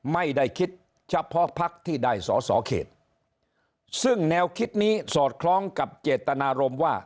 ไม่ได้คิดเฉพาะพักที่ได้สอสอเขตซึ่งแนวคิดนี้สอดคล้องกับเจตนารมณ์ว่า